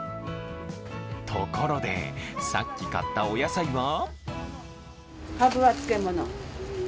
ところで、さっき買ったお野菜は？